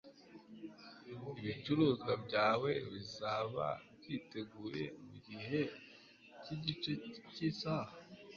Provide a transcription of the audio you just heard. Ibicuruzwa byawe bizaba byiteguye mugihe cyigice cyisaha.